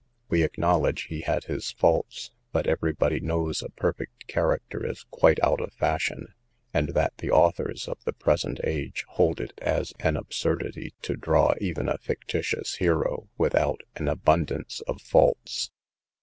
We acknowledge he had his faults, but every body knows a perfect character is quite out of fashion, and that the authors of the present age hold it as an absurdity to draw even a fictitious hero without an abundance of faults.